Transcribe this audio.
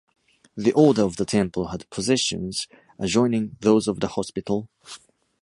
The Order of the Temple had possessions adjoining those of the Hospital.